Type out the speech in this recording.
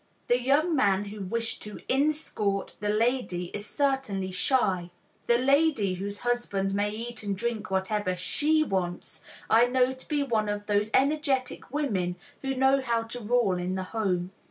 The young man who wished to "inscort" the lady is certainly shy; the lady whose husband may eat and drink whatever she wants I know to be one of those energetic women who know how to rule in the home.